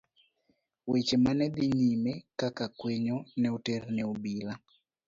Weche ma ne dhi nyime ka kwinyno ne oter ne obila.